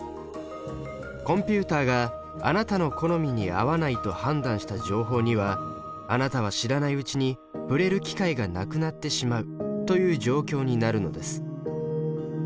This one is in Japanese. コンピュータがあなたの好みに合わないと判断した情報にはあなたは知らないうちに触れる機会がなくなってしまうという状況になるのです。